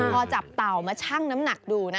พอจับเต่ามาชั่งน้ำหนักดูนะ